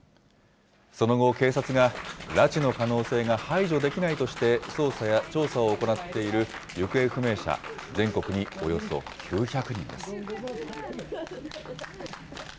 その後、警察が拉致の可能性が排除できないとして捜査や調査を行っている行方不明者、全国におよそ９００人です。